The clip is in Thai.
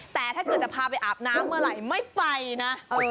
แต่ถ้าเกิดจะพาไปอาบน้ำเมื่อไหร่ไม่ไปนะ